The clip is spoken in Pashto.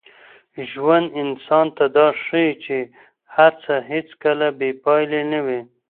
ژوند انسان ته دا ښيي چي هڅه هېڅکله بې پایلې نه وي.